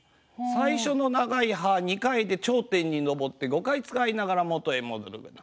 最初の長い「はー」２回で頂点に上って５回使いながら元へ戻るような。